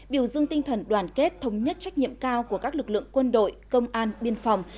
biểu dương tinh thần đoàn kết thống nhất trách nhiệm cao của các lực lượng quân đội công an biên phòng